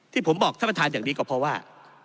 ที่ผมบอกท่านประธานอย่างนี้ก็เพราะว่า